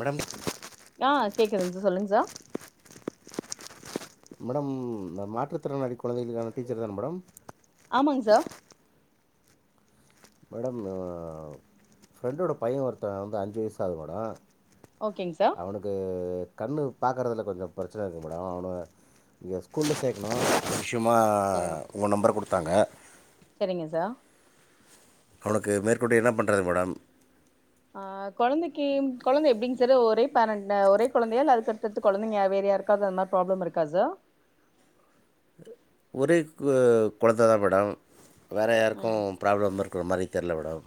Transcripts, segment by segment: Madam. ஆஹ் கேக்குதுங்க sir. சொல்லுங்க சார். மேடம் இந்த மாற்றுத்திறனாளி குழந்தைகளுக்கான டீச்சர் தான மேடம்? ஆமாங் சார். மேடம் ஆ ஃப்ரெண்டோட பையன் ஒருத்தன் வந்து அஞ்சு வயசு ஆகுது மேடம். ஓகேங்க சார் அவனுக்கு கண்ணு. பார்க்குறதுல கொஞ்சம் பிரச்சனை இருக்குது மேடம் அவன இங்கே ஸ்கூல்ல சேர்க்கணும். விஷயமா சரிங்க உங்க நம்பர் குடு குடுத்தாங்க. சரிங்க சார். அவனுக்கு மேற்கொண்டு என்ன பண்ணுறதுங் மேடம்? ஆ கொழந்தைக்கி கொழந்தை எப்பிடிங் சார் ஒரே பேரன்ட் ஆ ஒரே குழந்தையா இல்ல அதுக்கடுத்தடுத்து குழந்தைங்க வேற யாருக்காவது அந்த மாதிரி ப்ராப்ளம் இருக்கா சார்? ஒரே கு கொழந்தை தான் மேடம். வேறு ம் யாருக்கும், ப்ராப்ளம் இருக்கிற மாரி தெர்ல மேடம்.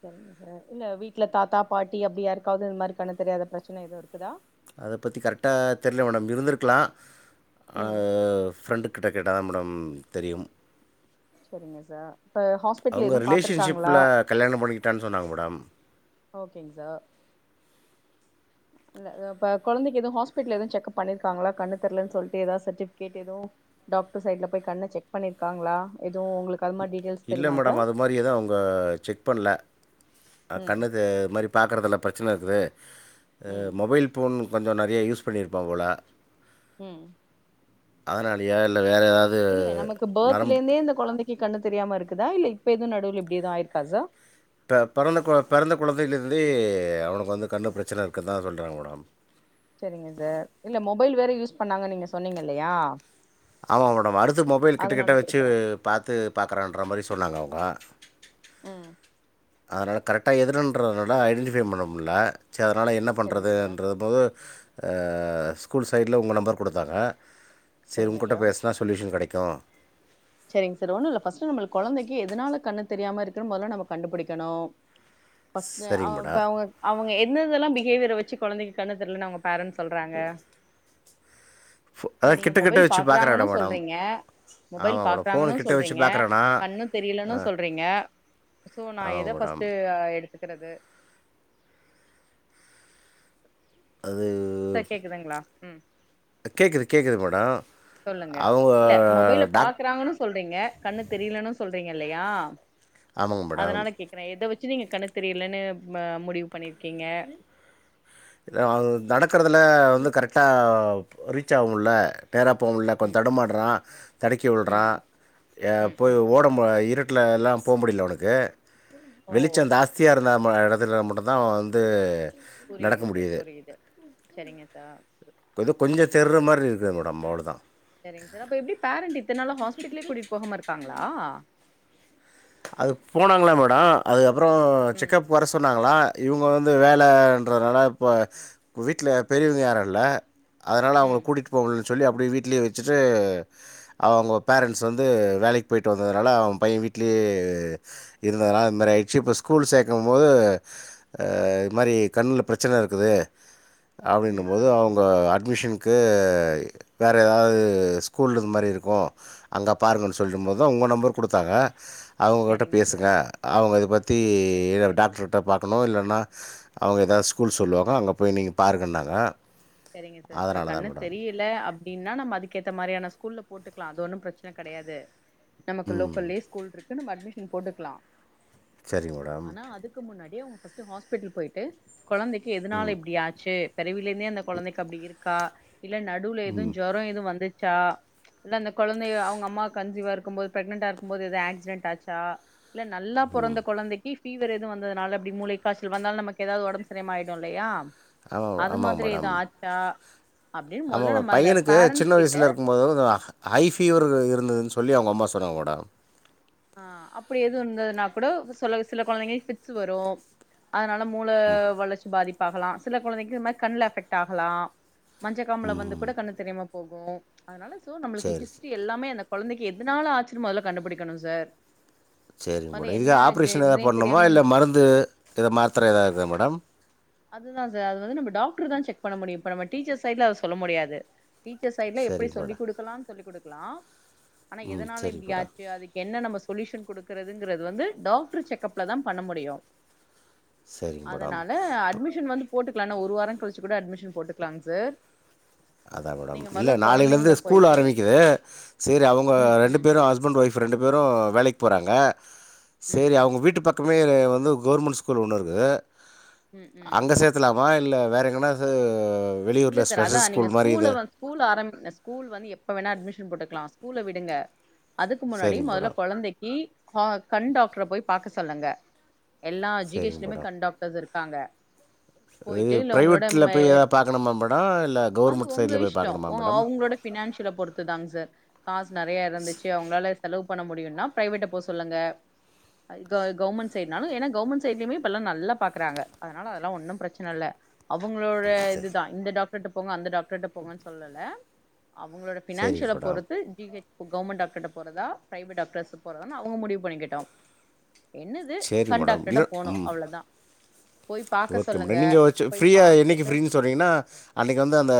சேரிங் சார். இல்ல வீட்டுல தாத்தா பாட்டி அப்படி யாருக்காவது இந்த மாதிரி கண் தெரியாத பிரச்சனை எதுவும் இருக்குதா? அப்பத்தி கரெக்டா, தெரியில மேடம் இருந்திருக்கலாம், ஆ ம் ஃப்ரெண்டு கட்டை கேட்டா தா மேடம் தெரியும். சரிங்க சார் இப்ப ஹாஸ்பிட்டல் அவங்க எதுவு பாத்துருக்காங்களா ரிலேஷன்ஷிப்ல கல்யாணம் பண்ணிக்கிட்டான்னு சொன்னாங்க மேடம். ஓகேங் சார் கொழந்தைக்கு எது ஹாஸ்பிட்டல்ல எது செக்கப் பண்ணிருக்காங்களா கண்ணு தெரலன்னு சொல்லிட்டு ஏதா சர்டிபிகேட் எதோ டாக்டர் சைட்ல போய் கண்ணு செக் பண்ணிருக்காங்களா. எதுவு உங்களுக்கு அது மாரி டீட்டெயில்ஸ் இல்ல தெரியுமா மேடம் சார் அது மாரி எது அவங்க செக் பண்ணல. ம் கண்ணு இது மாரி பாக்குறதுல பிரச்சின. பிரச்சனயிருக்குது. ம் மொபைல் போன். கொஞ்சு நெறையா யூஸ் பண்ணியிருப்பா போல. ம் அதனாலயா இல்ல. வேற எதாது நரம்பு கு கண்ணு தெரியாம இருக்குதா இல்ல இப்ப எதுவ் நடுவுல இப்டி எது ஆயிருக்கா சார் பெ பெறந்த கொ பெறந்த குழந்தைலருந்தே அவுனுக்கு வந்து கண்ணு பிரச்சனை இருக்குன்தா சொல்றாங்க மேடம் செரிங்க சார் இல்ல மொபைல் வேற யூஸ் பண்ணாங்கன் நீங்க சொன்னிங்க இல்லையா ஆமா மேடம் அடுத்து மொபைல் அதனால கிட்டக்கிட்ட வச்சு கேக்குறே பாத்து பாக்குறான்ற மாரி சொன்னாங்க அவங்க. [unintelligible] உம் அதனால கரெக்டா எதுனன்றதுனால ஐடின்டிஃபை பண்ண முடியல. சரி அதனால என்ன சரிங்க சார் பண்ணுறதுன்றது போது. ஸ்கூல் சைடல உங்கள் நம்பர் கொடுத்தாங்க. சரி சரிங்க உங்கிட்ட சார் பேசனா சொலுயஷன் கெடைக்கு க்கும். சரிங்க சார் ஒண்ணு இல்ல ஃபர்ஸ்ட் நம்ம கொழந்தைக்கு எதனால கண்ணு தெரியாம இருக்குனு மொதல்ல நம்ம கண்டுபிடிக்கணு ஃபஸ்ட் சரிங்க அ மேடம் அவங்க. என்னதெல்லா பிஹேவியர் வச்சு கொழந்தைக்கு கண்ணு தெரியலன்னு அவங்க பேரன்ஸ் சொல்றாங்க. ஃபோ இல்ல அதான் நீங்க கிட்ட கிட்ட மொபைல் வச்சு பாக்குறாங்கன்னு பார்க்குறேன் மேடம் சொல்றீங்க, மொபைல். ஆமாம் மேடம் ஃபோன் பாக்குறானு கிட்ட வச்சு சொல்றீங்க. பார்க்குறேண்ணா கண்ணு தெரியலனு சொல்றீங்க. சோ நா ஆமாங்க ஏத மேடம் ஃபஸ்ட்டு. எடுத்துக்கிறது. அது, சார் கேக்குதுங்களா ம் கேட்குது கேட்குது மேடம் சொல்லுங்க அவங்க இல்ல மொபைல டாக்டர். பாக்குறாங்கன்னு சொல்றீங்க கண்ணு தெரியலன்னு சொல்றீங்க இல்லையா. ஆமாங்க மேடம் அதனால கேக்குற எதை வச்சு. எத வச்சு நீங்க கண்ணுதெரியலன்னு முடிவு பண்ணிருக்கீங்க. அது நடக்குறதுல வந்து கரெக்டா ரீச் ஆகும்ல. நேரா போக முடியல, கொஞ்சு ம் தடுமாடுறா தடுக்கி விழுறா ம் ம் போய் ம் ம் ஓடம்ப இருட்ட. இருட்டல எல்லா போக முடியல அவனுக்கு. ஓ வெளிச்சந் ஷாஸ்தியா. நம்ம எடுத்துல மட்டு தா வந்து நடக்க புரியுது சார் முடியுது புரியுது சரிங்க சார் [unintelligible] கொஞ்ச தேர்ற மாரி இருக்குது மேடம் அவ்ளோ தா சேரிங் சார் அப்ப எப்டி பேரண்ட் இத்தன்னால ஹாஸ்பிடலே கூடிட்டு போகாம இருப்பாங்களா அது போனாங்களா மேடம் அது அப்புற ம் செக்கப் வர சொன்னாங்களா இவங்க வந்து வேலன்றதுனால இப்போ வீட்ல பெரியவங்க யாரு இல்ல அதனால ம் அவங்களகூடிட்டு போ சொல்லி அப்டியே வீட்லையே வச் சுட்டு அவங்க பேரன்ஸ் வந்து வேலைக் போய்ட்டு வந்ததுனால அவன் பையன் வீட் [unintelligible] இருந்ததுனால அது மாரி ஆச்சி இப்போ ஸ்கூல் சேர்கும் போது இது மாதிரி கண்ணுல பெரச்சன இருக்குது அப்படின்ன ம் போது ம் அவங்க ம் அட்மிஷன் க்கு வேற ஏதாவது ஸ்கூல இது மாரி இருக்கு அங்க பாருங்கன்னு சொல்லும் போது தா உங்க நம்பர் குடுத்தாங்க [unintelligible] அவுங் கிட்ட சரிங்க பேசுங்க சார் அவங்க இத பத்தி சரி சரி டாக்டரு கிட்ட பாக்கணு இல்லன்னா அவுங்க எதாது ஸ்கூல் சொல்லுவாங்க அங்க போய் நீங்க பாருங்கன்னாங்க சரிங்க சார் இப்ப அதனால் தான் கண்ணு மேடம் தெரியல அப் அப்டின்னா நம்ம அதுக்கேத்த மாரியான ஸ்கூல்ல போட்டுக்கலா அது ஒன்னு பெரச்சன கெடையாது நமக்கு லோக்கல்லே ஸ்கூல் இருக் [unintelligible] அட்மிஷன் போட்டுகலா சரிங்மேடம் [unintelligible] ஃபர்ஸ்ட் டு ஹாஸ்பிட்டல் போயிட்டு கொழந்தைக்கி எதனால இப்படியாச்சு கருவில்லே கொழந்தைக்கு அப்டி இருக் கா இல்ல நடுவுல எதும் ஜொரம் எதும் வந்துச் ச்சா இல்ல அந்த கொழந்தைய அவங்க அம்மா கன்சிவா இருக்குபோது ப்ரெக்னன்டா இருக்குபோது எத ஆக்சிடென்ட் ஆச்சா இல்ல நல்லா பொறந்த கொழந்தைக்கி பீவர் எது வந்ததுனால அப்டி மூளைக்காசல் வந்தாலும் நமக்கு ஏதாது உடம்ப செரியாம ஆகிடும் இல்லையா ஆமா அது ஆமாங் மாதிரி மேடம் ஆச்சா அப்டின்னு ஆமா மொதல்ல மேடம் நம்ம அந்த பையனுக்கு சின்ன பேரண்ட்ஸ் கிட்ட வயசுல இருக்கும்போது ஹை பீஃவர் இருந்ததுன்னு சொ சொல்லி அவங்க அம்மா சொன்னாங்க மேடம் ஆ அப்டி எதுவும் இருந்ததுன்னா கூட செல சில கொழந்தைங்களுக் பிக்சு வரு அதனா மூல வளர்ச்சி பாதி பகலா சில கொழந்தைக்கு இது மாதி கண்ணல எபக்ட் ஆகலா மஞ்சக்காமல வந்து ம் கூட கண்ணு தெரிய போகும் அதனால சோ நம்மளுக்கு சரி ஹிஸ்ட்ரி எல்லாமே என கொழந்தைக்கு எதனால ஆச்சுனு முதல கண்டுபிடிக்கணு சார் செரிங்க மொதல்ல மோட இத என்ன இது ஆப்ரேஷன் எதா எதுனே பண்ணணுமா தெரியாம இல்ல மருந்து இத மாத்ர எதாவதா மோடம் அதுதான் சார் அது வந்து நம்ம டாக்டர் தா செக் பண்ண முடியு இப்ப நம்ம டீச்சர்ஸ் சைடு்ல அத சொல்ல முடியாது டீச்சர் சைடுல எப்படி சரிங்க சொல்லி மேடம் கொடுக்கலா சொல்லி் குடுக்கலாம் ஆனா ம் எதனால சரிங்க மேடம் இப்படியாச்சு அதுக்கு என்ன நம்ம சொல்யூஷன் குடுக்குறதுங்கறது வந்து டாக்டர் செக்கப்ல தா பண்ண முடியும் சரிங் மேடம் இப்பப் வந்து போட்டுக்கலா இன்னு ஒரு வாரோ கழிச்சு கூட அட்மிஷன் போட்டுக்கலாங் சார் அதாங் மேடம் நீங்க இல்ல மொதல்ல நாளையிலருந்து கொழந்தைங்கள போயிட்டு ஸ்கூல் ஆரம்பிக்குது சேரி அவுங்க ம் ரெண்டு ம் பேரோ ஹஸ்பண்ட் ஒயப் இப்ப ரெண்டு பேரு வேலைக் போறாங்க ம் சேரி அவுங்க வீட்டு பக்கமே வந்து கவுர்மண்ட் ஸ்கூல் ஒன்னுருக்கு ம் ம் அங்க சேர்த்தலா மா இல்ல வேற எங்கன்னா ச வெளியூர்ல இல்ல சார் அதா ஸ்பெசஸஸ் நீங்க ஸ்கூல்ல வந் ஸ்கூல் ஆரம்பிங்க ஸ்கூல் வந்து எப் எப்ப வேணா அட்மிஷன் போட்டுக்கலா ஸ்கூல விடுங்க அதுக்கு முன்னாடி சரிங்க முதல மேடம் கொழந்தைக்கி ஹா கண் டாக்டர போய் பாக்க சொல்லுங்க எல்லா ஜி ஹெச் சரிங்க லயுமே மேடம் கண் டாக்டர்ஸ் இருப் காங்க இது பிரைவேட்ல போய் ஏதாது பாக்கணும மே அது உங்க இஷ்டோ ஓங்க மேடம் அவுங்களோட பினான்சியல பொறுத்து தாங் சார் காசு நறைய இருந்துச்சு அவுங்களால செலவு புக் பண்ண முடியுன்னா பிரைவட்ட போ சொல்லுங்க அது கவர்மண்ட் சைடுனாலு ஏன்னா கவர்மண்ட் சைடுலையுமே இப்பல்லா நல்லா பாக்குறாங்க அதனால அதெல்லா ஒன்னு பிரச்சன இல்ல அவுங்களோட இது சரி இந்த டாக்டர்ட்ட போங்க அந்த டாக்டர்ட்ட போங்கன்னு சொல்லல அவங்களோட சரிங்க ஃபினான்சியலை மேடம் பொறுத்து ஜி ஹெச் இப்போ கவுர்மெண்ட் டாக்டர்க்டிட்ட போறதா பிரைவேட் டாக்டர்ஸ் போறதான் அவங்க முடிவு பண்ணிக் கட்டும் சரி மேடம் இல்லை ம் போய் பாக்க ஓகே சொல்லுங்க மேடம் நீங்க வச்சு போய் ஃப்ரீயா என்னைக்கு பாத்துட்டு ஃப்ரீனு சொன்னீங்கன்னா அன்னைக்கு வந்து அந்த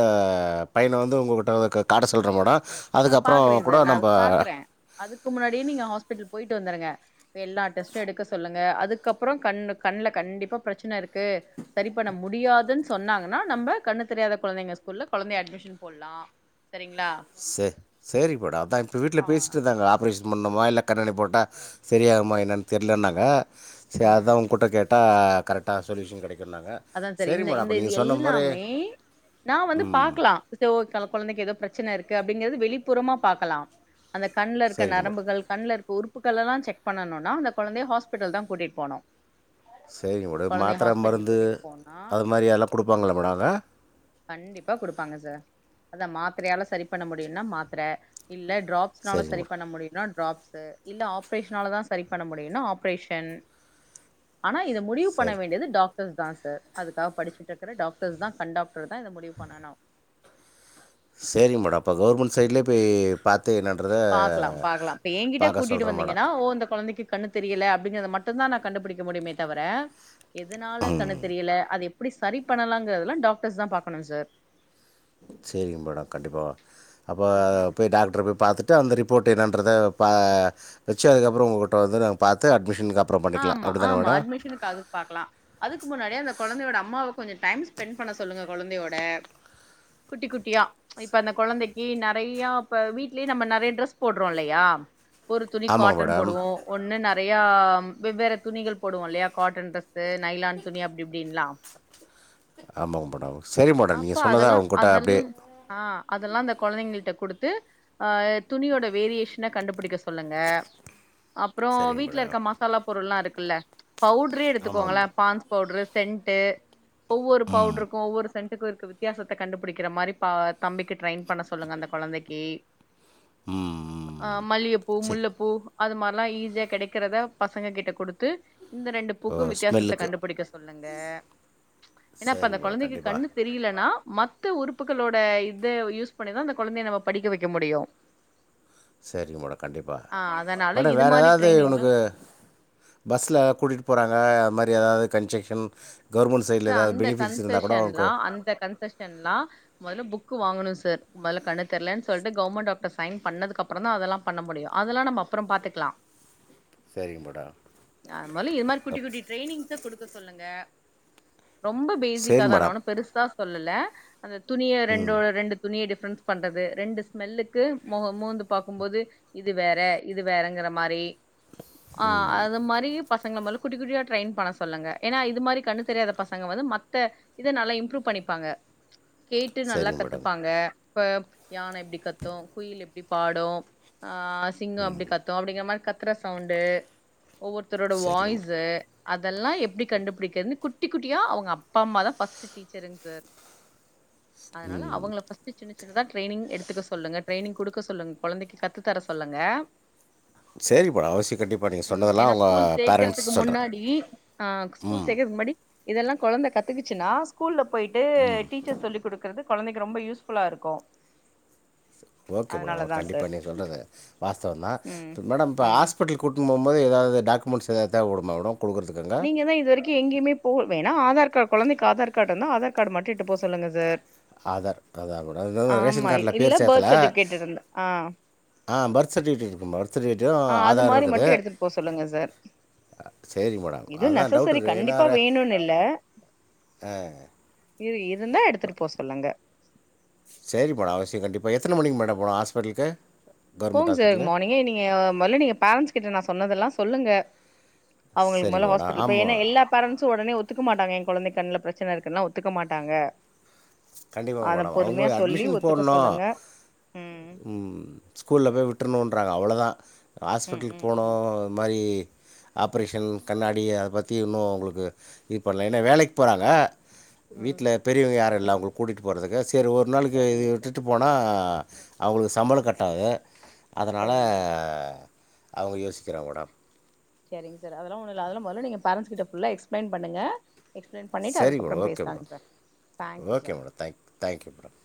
பையனை வந்து உங்ககிட்ட வந்து காட்ட சொல்ற மேடம் ஏ அதுக்கப்புறம் பாக்குறேன் கூட சார் நான் அது நம்ம பாக்குறே அதுக்கு முன்னாடி நீங்க ஹாஸ்பிடல் போய்ட்டு வந்துருங்க எல்லா டெஸ்ட்டோ எடுக்க சொல்லுங்க அதுக்கப்புறோ கண் கண்ணல கண்டிப்பா பிரச்சனை இருக்கு சரி பண்ண முடியாதுன்னு சொன்னாங்கன்னா நம்ப கண்ணு தெரியாத கொழந்தைங்க ஸ்கூல்ல கொழந்தைய அட்மிஷன் போடலாம் சரிங்களா செரிப்படாம் இப்ப வீட்ல ஆ பேசிட்டு இருந்தங்க ஆப்ரேஷன் பண்ணுமா இல்ல கண்ணாடி போட்டா செரியாகுமா என்னன்னு தெரியிலன்னாங்க த ம் அதான் உங்ககிட்ட கேட் ஆ கரக்டா சொல்லியூஷன் கடைக்கோ அதான் செரி இந்த இந்த இது எல்லாமே நான் வந்து ம் பாக்கலாம் [unintelligible] கொழந்தைக்கு ஏதோ பிரச்சனை இருக்கு அப்படிங்கறது வெளிப்புறமா பா்கக்கலா அந்த கண்ல இருக்க சரிங்க மேடம் நரம்புகள் கண்ல இருக் உறுப்புகள் எல்லாம் செக் பண்ணனுனா அந்த கொழந்தைய ஹாஸ்பிட்டல் தான் கூட்டிட்டு போனு செரி உட கொழந்தைய மாத்திர ஹாஸ்பிட்டல் மருந்து கூட்டிட்டு அ போனா அதுமாரில்லா குடுப்பாங்களா மேடோ அத கண்டிப்பா குடுப்பாங்க சார் அத மாத்திரையால சரி பண்ண முடியும்னா மாத்திர இல்ல டிராப்ஸ்னால சரிங்க சரி மேடம் பண்ண முடியும்னா டிராப்சு இல்ல ஆப்ரேஷனால தான் சரி பண்ண முடியும்ன ஆப்ரேஷன் ஆனா இத முடிவு பண்ண சரி வேண்டியது டாக் டாக்டர்ஸ் தான் சார் அதுக்காக படிச்சிட்டு இருக்கற டாக்டர்ஸ் தான் கண்டாக்ட் டாக்டர் தான் இந்த முடிவு பண்ணனு சரி மேடம் அப்போ கவர்மெண்ட் சைட்லேயே ம் போய் பார்த்து என்னன்றதை பாக்கலா பாக்கலா இப்ப எங்கிட்டே பார்க்க கூட்டிட்டு சொல்கிறேன் மேடம் வந்தீங்கன்னா ஓ இந்த கொழந்தைக்கு கண்ணு தெரியல அப்படிங்கறத மட்டுதான் ந கண்டுபுடிக்க முடியுமே தவிர எதனால கண்ணு ம் தெரியல அத எப் அப்டி சரி பண்ணலாங்குறதெல்லா டாக்டர்ஸ் தான் பாக்கணு சார் செரிங்க மேடம் கண்டிப்பா அப்ப ம் போய் டாக்டர போய் பாத்துட்டு அந்த ரிப்போர்ட் என்னறத ப வச்சு அதுக்கப்புறோ உங்ககிட்ட வந்து பாத்து அட்மிஷன் ஆமா ஆமா அட்மிஷனுக்கு அதுக்கு பாக்கலா அதுக்கு முன்னாடியடிே அந்த கொழந்தையோட அம்மாவுக் கொஞ்ச டைம் ஸ்பெண்ட் பண்ண சொல்லுங்க கொழந்தையோட குட்டி குட்டியா இப்ப அந்த கொழந்தைக்கு நெறையா இப்ப வீட்லயே நம்ம நெறையா ட்ரெஸ் போடுறோல்லயா ஒரு துணி ஆமாங்க காட்டன் மேடம் போடுவோ ஒன்னு ந றையா வெவ்வேற துணிகள் போடுவோ இல்லையா காட்டன் டிரெஸ்ஸு நைலான் துணி அப்டி இப்டின்லா ஆமாங்க மேடம் சரி மேடம் அப்ப நீங்கள் சொன்னதா அதெலா உங்ககிட்ட அதெல் அப்படியே ஆ அதெல்லா அந்த கொழந்தைங்கள்ட்ட குடுத் துட்டு ஆ துணியோட வேரியேஷன கண்டுபுடிக்க சொல்லுங்க அப்றோ சரிங்க வீட்ல இருக்க மேடம் மசா லா பொருள்லா இருக்குல்ல பவுடரே ஆமாங்க எடுத்துக்கோங்ளே மேடம் பான்ஸ் பவுடரு சென்ட்டு ஒவ்வொரு பவுட்ருக்கு ஒவ்வொரு சென்ட்டுக்கு இருக்க வித்யாசத்த கண்டுபுடிக்கிற மாரி பா தம்பிக்கு ட்ரெய்ன் பண்ண சொல்லுங்க அந்த கொழந்தக்கி அ ம் மல்லிகப்பூ சரி முல்லப்பூ அது மார்லா ஈஸியா கெடக்கிறத பசங்க கிட்ட குடுத்து இந்த ரெண்டு ஓ பூக்கு வித்தியாசத்த ஸ்மெல்லுக்கு கண்டுபுடிக்க சொல் ல்லுங்க ஏன்னா அப்ப சரி அந்த மேடம் கொழந்தைக்கு கண்டிப்பாக கண்ணு தெரியிலனா மத்த உறுப்புக்களோட இத யூஸ் பண்ணிதா இந்த கொழந்தய நம்ம படிக்க வக்க முடியு சேரிங்க மோட கண்டிப்பா மேட இது வேற மாரி ஏதாது ட்ரைனிங்லாம் இவுனுக்கு பஸ்ல கூட்டிட்டு போறாங்க அது மாரி ஏதாது கன்செக்ஷ்ன் ச அந்த கன்சஷன்லா அந்த கன்சஷன்லா மொதல புக்கு வாங்கணுஸ் சர் மொதல கண்ணு தெர்லேன் சொல்ட்டு கவ்மண் டாக்டர் சைன் பண்ணதுக்கப்றந்தா அதலா பண்ண முடியு அதலா நம்ப அப்பறம் பாத்துக்லா சரிங்க மேடம் மொலி இது மாரி குட்டி அப்- குட்டி ட்ரெய்னிங்ஸ்ஸ குடுக்க சொல்லுங்க ரொம்ப பேசிக்கா சரிங்க தா நா மேடம் ஒனு பெருஸ்சா சொல்லுல அந்த துணிய ம் ரெண்டோட ரெண்டு துணிய டிஃப் ட்ஃப்ரன்ஸ் பண்றது ரெண்டு ஸ்மெல்லுக்கு மோ மோந்து பாக்கும்போது இது வேற இது வேறங்குற மாரி ஆ அது மாரி பசங்ள மொல்ல குட்டி குட்டியா ட்ரெய்ன் பண்ண சொல்லுங்க ஏனா இது மாரி கண்ணுத்தெரியாத பசங்க வந்து மத்த இத நல்லா இம்ப்ருவ் பண்ணிப்பாங்க கேட்டு நல்லா சரிங்க மேடம் கத்துப்பாங்க இப்ப யான எப்டி கத்து குயில் எப் டி பாடு ஆ சிங்கொ எப்டி கத்து அப்டிங்ற மாரி கத் கத்ற சவுண்டு ஒவ்வொருத்தரோட சரிங்க மேடம் வாய்ஸு அதெல்லா எப்டி கண்டுபிடிக்கிறதுன்னு குட் குட்டி குட்டியா அவங்க அப்பா அம்மாதா ஃபர்ஸ்ட் டீச்சரு அன்ட் சார் அதனால அவங்கள ஃபர்ஸ்ட் [unintelligible] சின்ன சின்ன என்னதா ட்ரைனிங் எடுத்துக்க சொல்லுங்க டிரைனிங் குடுக்க சொல்லுங்க கொழந்தைக்கு கத்து தர சொல்லுங்க சரி மேடொ அவசியம் கண்டிப்பா நீங்க ம் சொன்னதெல்லா ஏன்னா அவுங்க ஸ்கூல் பேரண்ட்ஸ் சேக்கறதுக்கு சொல்றே முன்னாடி ஆ ஸ்கூல் ம் சேக்கறதுக்கு முன்னாடி இதெல்லா கொழந்த கத்துக்குச்சுன்னா ஸ்கூல்ல போயிட்டு டீச்சர் சொல்லிக் குடுக் க்கிறது கொழந்தைக்கு ரொம்ப யூஸ்ஃபுல்லா இருக்கு ஓகே மேடம் அதனாலதா கண்டிப்பா சார் நீ சொல்றது வாஸ்தவந்தா ம் மேடம் இப்ப ம் ஆஸ்பிட்டல் கூட்டுபோம் போது எதாவது டாக்குமெண்ட்ஸ் எதாவது தேவப்படுமா மேடம் கொடுக்குறதுக்குங்க நீங்கதா இது வரைக்கு எங்கமே போ வேணா ஆதார் கார்டு கொழந்தைக்கு ஆதார் கார்டு இருந்தா ஆதார் கார்டு மட்டு எட்டு போக சொல்லுங்க சார் ஆதார் அதா மேடம் இன்னு ரேஷன் ஆமா கார்டுல இல்ல பேர் சேத்தல பர்த் சர்டிபிகேட் இருந்தா ஆ ஆ பர்த் சர்ட்டிஃபிகேட் இருக்கு மே பர்த் சர்டிஃபிகேட்டு ஆ அது ஆதாரு மாரி இருக்குது மட்டு எடுத்துட்டு போ சொல்லுங்க சார் சேரிங் மேடம் இது அதுதான் டவுட் நெசசரி இருக்குது ஏன்னா கண்டிப்பா ர- வேணுனு இல்ல இது இரு ந்தா எடுத்துட்டு போ சொல்லுங்க சேரி மேடம் அவசிய கண்டிப்பா எத்தன மணிக்கு மேடம் போனு ஹாஸ்பிட்டலுக்கு கவர்மெண்ட் போங்க சார் ஹாஸ்பிட்டலு மார்னிங்கே நீங்க மொதல்ல நீங்க பேரண்ட்ஸ் கிட்ட நா சொன்னதெல்லா சொல்லுங்க அவங்களுக்கு சரிங்க மொதல்ல மேடம் ஹஸ்பிட்டல் போய் ஏன்னா ஆமாம் எல்லா பேரண்ட் ஸ் ஒடனே ஒத்துக்க மாட்டாங்க என் கெழந்தைக்கு கண்ணுல பிரச்சன இருக்குன்னுலா ஒத்துக்க மாட்டாங்க கண்டிப்பா அத மேடம் அவங்க பொறுமையா சொல்லி அட்மிஷன் ஒத்துக்க போட்ணு, சொல்லுங்க ம் ம் ஸ்கூல்ல போய் விட்ருனுட்றாங்க அவ்ளவுதா ம் ஹாஸ்பிட்டலுக்கு ம் போனோ ம் இது மாரி ஆப்ரேஷன் கண்ணாடி அத பத்தி இன்னு அவங்களுக்கு இது பண்ணல ஏன்னா வேலைக்கு போறாங்க ம் வீட்ல பெரியவங்க யாரும் இல்ல அவங்களுக் வுட்டு போறதுக்கு சேரி ஒரு நாளைக்கு இது சரிங்க சார் விட்டுட்டு போனா அவங்களுக்கு சம்பள கட்டாது அதனால சரிங்க சார் அவங்க யோசிக்கிறாங்க மேடம் சேரிங்க சார் அதெல்லா ஒன்னு இல்ல அதெல்லா முதலே நீங்க பேரண்ட்ஸ் கிட்ட ஃபுல்லா எக்ஸ்ப்ளைன் பண்ணுங்க எக்ஸ்பிளைன் பண்ணிட்டு செரி மேடம் அதுக்கப்புறம் ஓகே பேசலாங்க madam sir thank you sir okay madam thank thank you madam